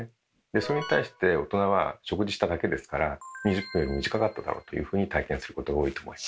それに対して大人は食事しただけですから２０分よりも短かっただろうというふうに体験することが多いと思います。